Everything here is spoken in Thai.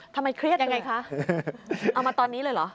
ทำไมเครียดเลยยังไงคะเอามาตอนนี้เลยเหรอ